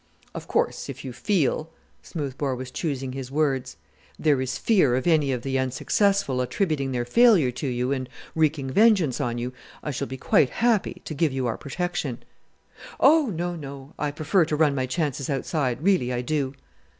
"Of course if you feel" Smoothbore was choosing his words "there is fear of any of the unsuccessful attributing their failure to you and wreaking vengeance on you I shall be quite happy to give you our protection." "Oh, no, no. I prefer to run my chances outside; really I do."